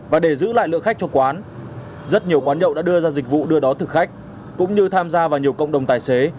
và để giữ lại lượng khách cho quán rất nhiều quán nhậu đã đưa ra dịch vụ đưa đón thực khách cũng như tham gia vào nhiều cộng đồng tài xế